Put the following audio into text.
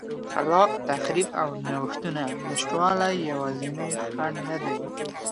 خلاق تخریب او نوښتونو نشتوالی یوازینی خنډ نه دی